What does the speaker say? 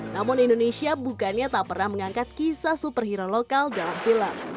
namun indonesia bukannya tak pernah mengangkat kisah superhero lokal dalam film